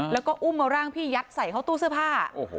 แล้วก็อุ้มร่างพี่ยัดใส่เขาตู้เสื้อผ้าโอ้โห